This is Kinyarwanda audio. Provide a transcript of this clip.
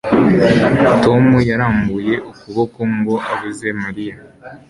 Tom yarambuye ukuboko ngo abuze Mariya